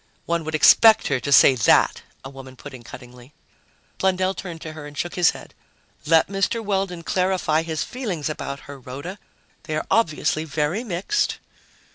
"One would expect her to say that," a woman put in cuttingly. Blundell turned to her and shook his head. "Let Mr. Weldon clarify his feelings about her, Rhoda. They are obviously very mixed."